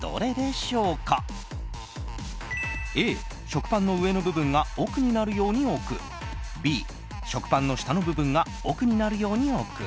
Ａ、食パンの上の部分が奥になるように置くＢ、食パンの下の部分が奥になるように置く